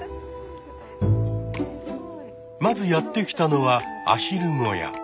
まずやって来たのはアヒル小屋。